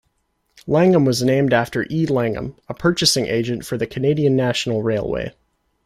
Langham was named after E. Langham, a purchasing agent for the Canadian National Railway.